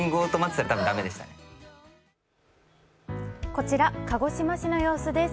こちら、鹿児島市の様子です。